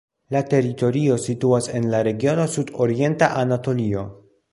La teritorio situas en la regiono Sudorienta Anatolio.